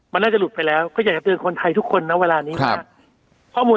แบบมันจะหลุดไปแล้วก็อยากเตือนคนไทยทุกคนนะเวลานี้ข้อมูล